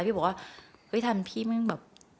พี่บอกว่าทานพี่มึงแบบ